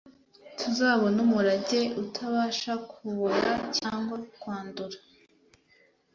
tuzabone umurage utabasha kubora cyangwa kwandura